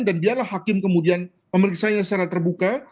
dan dialah hakim kemudian pemeriksaannya secara terbuka